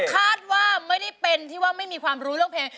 คาดว่าไม่ได้เป็นที่ว่าไม่มีความรู้เรื่องเพลง